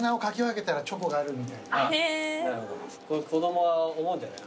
子供は思うんじゃない？